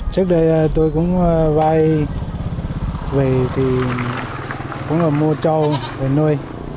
trước đây tôi cũng vai về thì cũng là mua trâu để nuôi